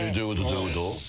どういうこと？